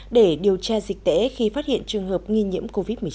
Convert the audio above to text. để điều tra dịch tễ khi phát hiện trường hợp nghi nhiễm covid một mươi chín